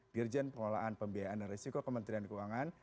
dirjen pengelolaan pembiayaan dan risiko kementerian keuangan